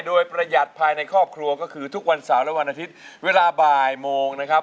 โดยประหยัดภายในครอบครัวก็คือทุกวันเสาร์และวันอาทิตย์เวลาบ่ายโมงนะครับ